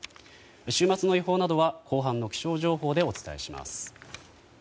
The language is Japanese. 週末の予報などは後半の気象情報でお伝えします。